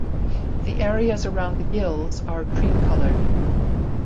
The areas around the gills are cream colored.